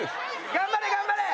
頑張れ頑張れ！